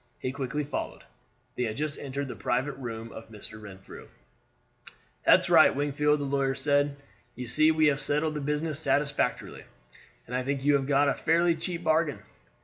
He quickly followed. They had just entered the private room of Mr. Renfrew. "That's right, Wingfield," the lawyer said. "You see we have settled the business satisfactorily, and I think you have got a fairly cheap bargain.